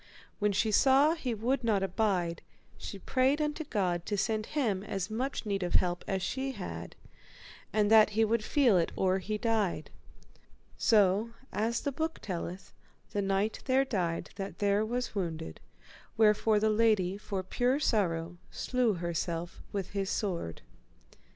When she saw he would not abide, she prayed unto God to send him as much need of help as she had, and that he might feel it or he died. So, as the book telleth, the knight there died that there was wounded, wherefore the lady for pure sorrow slew herself with his sword.